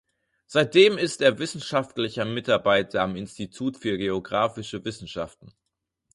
Seitdem ist er wissenschaftlicher Mitarbeiter am Institut für Geographische Wissenschaften.